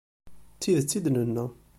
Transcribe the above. D tidet i d-nenna;